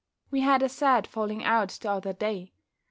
We had a sad falling out t'other day.